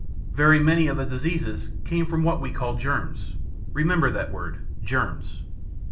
Very many of the diseases came from what we called germs. Remember that word germs.